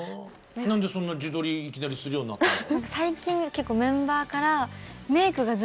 何でそんな自撮りいきなりするようになったの？